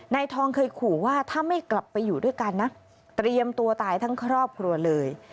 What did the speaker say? นายทองเคยขู่ว่าถ้าไม่กลับไปอยู่ด้วยกันนะเตรียมตัวตายทั้งครอบครัวเลย